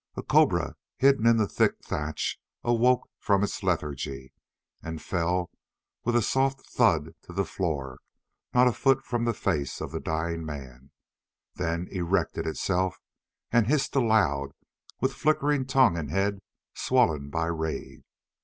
A cobra hidden in the thick thatch awoke from its lethargy and fell with a soft thud to the floor not a foot from the face of the dying man—then erected itself and hissed aloud with flickering tongue and head swollen by rage.